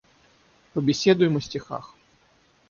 Побеседуем о стихах.